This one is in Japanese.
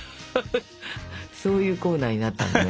そういうコーナーになったんだね？